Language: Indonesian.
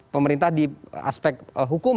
pemerintah di aspek hukum